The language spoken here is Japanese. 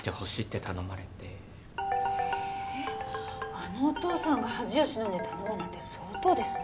あのお父さんが恥を忍んで頼むなんて相当ですね。